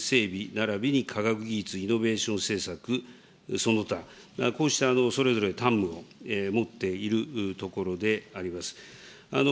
ならびに科学技術イノベーション政策、その他、こうしたそれぞれ担務を持っているところであります。